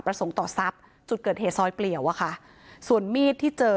ประสงค์ต่อทรัพย์จุดเกิดเหตุซอยเปลี่ยวส่วนมีดที่เจอ